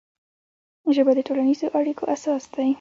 ژبه د ټولنیزو اړیکو اساس دی